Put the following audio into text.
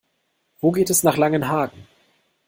Wo geht es nach Langenhagen?